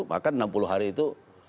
bahkan enam puluh hari itu